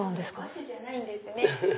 和紙じゃないんですね。